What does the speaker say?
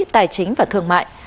tài chính và thương mại